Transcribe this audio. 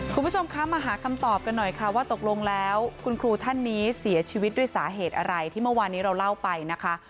คุณผู้ชมคะมาหาคำตอบกันหน่อยค่ะว่าตกลงแล้วคุณครูท่านนี้เสียชีวิตด้วยสาเหตุอะไรที่เมื่อวานนี้เราเล่าไปนะคะ